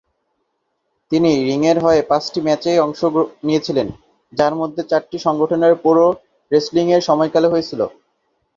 তিনি রিংয়ের হয়ে পাঁচটি ম্যাচে অংশ নিয়েছিলেন, যার মধ্যে চারটি সংগঠনের প্রো-রেসলিংয়ের সময়কালে হয়েছিল।